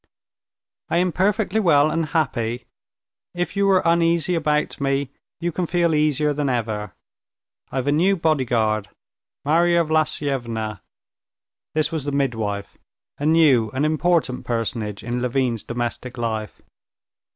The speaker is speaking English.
"I am perfectly well and happy. If you were uneasy about me, you can feel easier than ever. I've a new bodyguard, Marya Vlasyevna,"—this was the midwife, a new and important personage in Levin's domestic life.